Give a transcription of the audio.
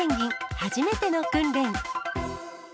初めての訓練。